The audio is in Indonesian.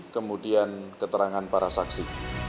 kemudian keterangan para saksi